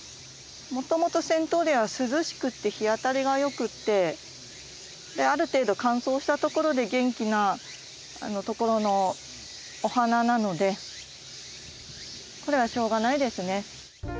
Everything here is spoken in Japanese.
もともとセントーレアは涼しくて日当たりがよくてある程度乾燥したところで元気なところのお花なのでこれはしょうがないですね。